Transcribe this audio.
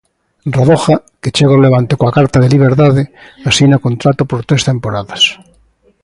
Radoja, que chega ao Levante coa carta de liberdade, asina contrato por tres temporadas.